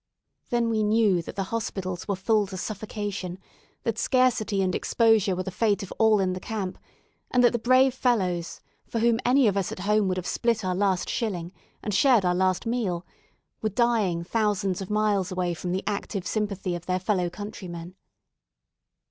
Then we knew that the hospitals were full to suffocation, that scarcity and exposure were the fate of all in the camp, and that the brave fellows for whom any of us at home would have split our last shilling, and shared our last meal, were dying thousands of miles away from the active sympathy of their fellow countrymen.